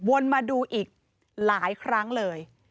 วนมาดูอีกหลายครั้งเลย